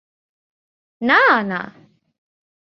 না, না।